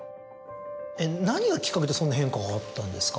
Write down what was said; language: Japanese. えっ何がきっかけでそんな変化があったんですか？